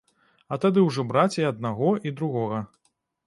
А тады ўжо браць і аднаго, і другога.